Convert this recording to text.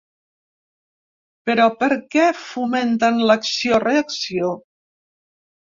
Però, per què fomenten l'acció-reacció?